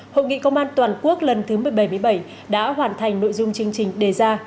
hội nghị công an toàn quốc lần thứ một mươi bảy mươi bảy đã hoàn thành nội dung chương trình đề ra